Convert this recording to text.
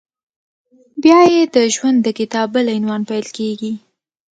بیا یې د ژوند د کتاب بل عنوان پیل کېږي…